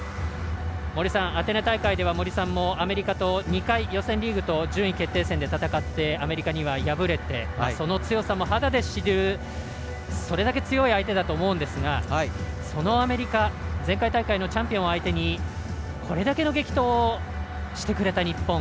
アテネ大会では森さんもアメリカと２回予選リーグと順位決定戦で戦ってアメリカには敗れてその強さも肌で知るそれだけ強い相手だと思うんですがそのアメリカ前回大会のチャンピオン相手にこれだけの激闘をしてくれた日本。